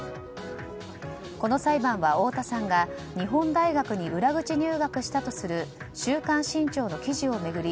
この裁判は、太田さんが日本大学に裏口入学したとする「週刊新潮」の記事を巡り